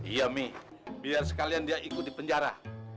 iya nih biar sekalian dia ikut di penjara